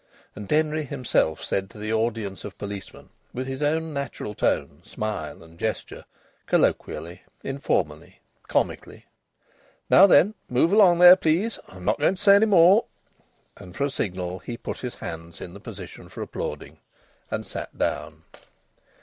And Denry himself said to the audience of policemen, with his own natural tone, smile and gesture, colloquially, informally, comically: "Now then! Move along there, please! I'm not going to say any more!" And for a signal he put his hands in the position for applauding. And sat down.